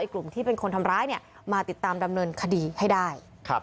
กลุ่มที่เป็นคนทำร้ายมาติดตามดำเนินคดีให้ได้